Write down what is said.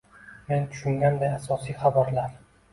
Men tushungan asosiy xabarlar: